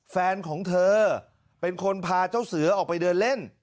แฟนของเธอเป็นคนพาเจ้าเสือออกไปเดินเล่น